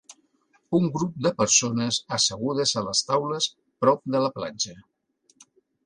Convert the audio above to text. Un grup de persones assegudes a les taules prop de la platja.